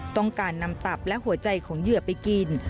ต้องการนำตับและหัวใจของเหยื่อไปกิน